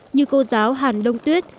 như cô giáo hàn đông tuyết